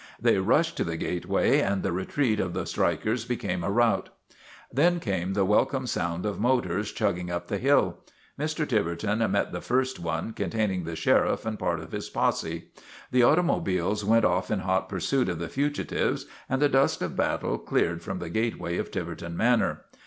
They rushed to the gate way and the retreat of the strikers became a rout. Then came the welcome sound of motors chugging up the hill. Mr. Tiverton met the first one, contain ing the sheriff and part of his posse. The auto mobiles went off in hot pursuit of the fugitives and the dust of battle cleared from the gateway of Tiver ton Manor.